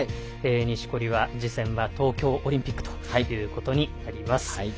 錦織は、次戦は東京オリンピックとなります。